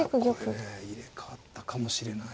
これね入れ代わったかもしれない。